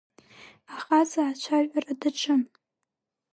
Ахаҵа ацәажәара даҿын.